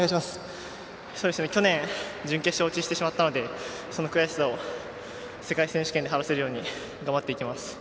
去年準決勝落ちしてしまったのでその悔しさを世界選手権で晴らせるように頑張っていきます。